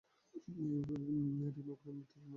একইভাবে ঋণ ও অগ্রিম বিতরণের পরিমাণও বৃদ্ধি পেয়েছে।